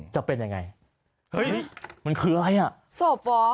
จะเป็นยังไงเฮ้ยมันคืออะไรอ่ะศพเหรอ